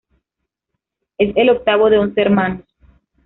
Es el octavo de once hermanos.